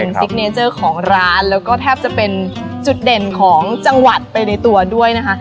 ฟิกเนเจอร์ของร้านแล้วก็แทบจะเป็นจุดเด่นของจังหวัดไปในตัวด้วยนะคะ